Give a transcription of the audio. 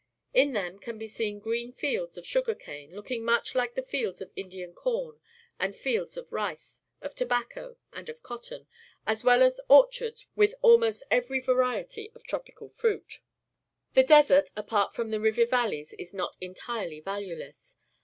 In them can be seen green fields of sugaj cane, looking much hke fields of Indian corn, and fields of rice, of tobacco, and of cotton, as well as orchards with almost every varietj^ of tropical fruit. The desert, apart from the river valleys, is not entirely valueless.